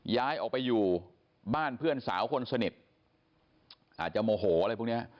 ย้ายออกไปอยู่บ้านเพื่อนสาวคนสนิทอาจจะโมโหอะไรพวกเนี้ย